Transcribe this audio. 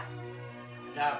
aku lagi baca koran